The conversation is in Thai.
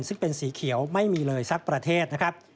ซึ่งเป็นสีเขียวไม่มีเลยสักประเทศนะครับ